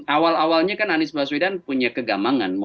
awal awalnya kan anies baswedan punya kegamangan